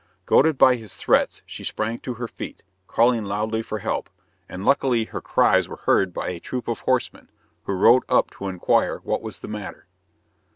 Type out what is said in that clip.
Goaded by his threats she sprang to her feet, calling loudly for help, and luckily her cries were heard by a troop of horsemen, who rode up to inquire what was the matter.